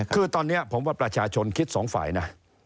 คือตอนนี้ผมว่าประชาชนคิดสองฝ่ายนะ